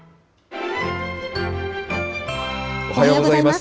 おはようございます。